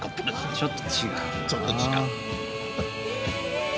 ちょっと違う。